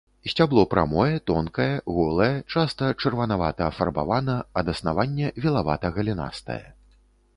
Сцябло прамое, тонкае, голае, часта чырванавата-афарбавана, ад аснавання вілавата-галінастае.